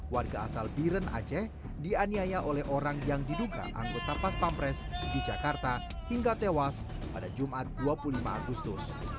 warga asal biren aceh dianiaya oleh orang yang diduga anggota pas pampres di jakarta hingga tewas pada jumat dua puluh lima agustus